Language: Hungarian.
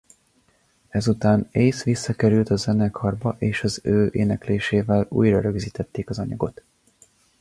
Ezután Ace visszakerült a zenekarba és az ő éneklésével újra rögzítették az anyagot.